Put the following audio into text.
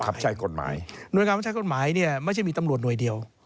หน่วยงานบังคับใช้กฎหมายเนี่ยไม่ใช่มีตำรวจหน่วยเดียว